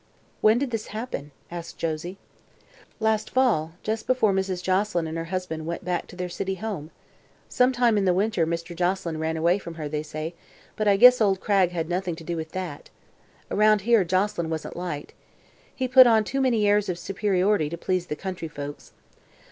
"When did this happen?" asked Josie. "Last fall, just before Mrs. Joselyn and her husband went back to their city home. Some time in the winter Mr. Joselyn ran away from her, they say, but I guess old Cragg had nothing do with that. Around here, Joselyn wasn't liked. He put on too many airs of superiority to please the country folks.